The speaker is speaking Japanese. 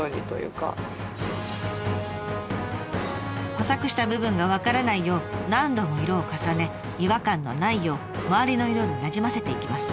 補作した部分が分からないよう何度も色を重ね違和感のないよう周りの色になじませていきます。